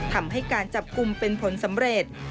ทำให้การจับกลุ่มเป็นผลสำเร็จ